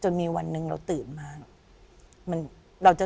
มีวันหนึ่งเราตื่นมา